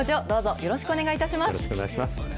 よろしくお願いします。